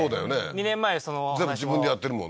２年前全部自分でやってるもんね？